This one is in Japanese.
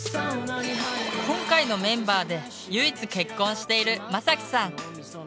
今回のメンバーで唯一結婚しているまさきさん。